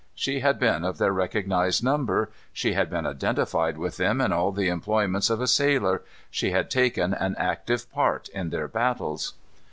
She had been of their recognized number; she had been identified with them in all the employments of a sailor; she had taken an active part in their battles.